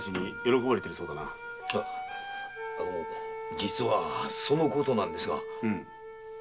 実はその事なんですが。